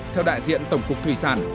theo đại diện tổng cục thủy sản